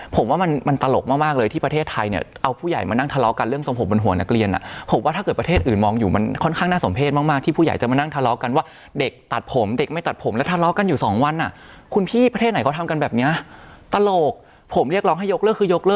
ผมว่ามันมันตลกมากมากเลยที่ประเทศไทยเนี่ยเอาผู้ใหญ่มานั่งทะเลาะกันเรื่องทรงผมบนหัวนักเรียนอ่ะผมว่าถ้าเกิดประเทศอื่นมองอยู่มันค่อนข้างน่าสมเพศมากมากที่ผู้ใหญ่จะมานั่งทะเลาะกันว่าเด็กตัดผมเด็กไม่ตัดผมแล้วทะเลาะกันอยู่สองวันอ่ะคุณพี่ประเทศไหนเขาทำกันแบบเนี้ยตลกผมเรียกร้องให้ยกเลิกคือยกเลิ